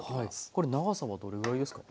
これ長さはどれぐらいですか？